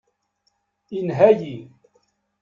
Inha-yi.